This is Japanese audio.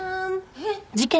えっ？